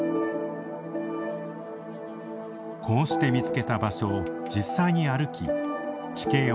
こうして見つけた場所を実際に歩き、地形を確認。